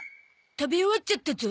食べ終わっちゃったゾ。